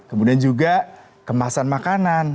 kemudian juga kemasan makanan